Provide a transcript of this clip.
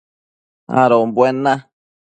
adombuen na